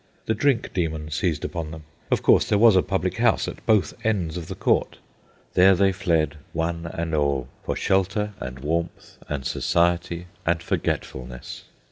The drink demon seized upon them. Of course there was a public house at both ends of the court. There they fled, one and all, for shelter, and warmth, and society, and forgetfulness.